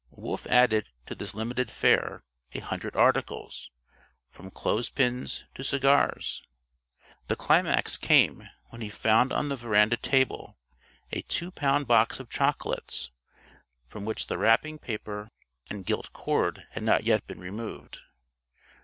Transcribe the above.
Wolf added to this limited fare a hundred articles, from clothespins to cigars. The climax came when he found on the veranda table a two pound box of chocolates, from which the wrapping paper and gilt cord had not yet been removed.